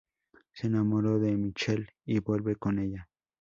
Se enamora de Michelle y vuelve con ella.